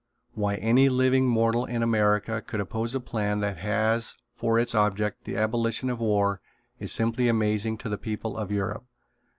Why any living mortal in America could oppose a plan that has for its object the abolition of war is simply amazing to the people of Europe.